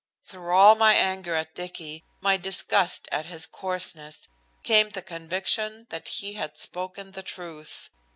Through all my anger at Dicky, my disgust at his coarseness, came the conviction that he had spoken the truth.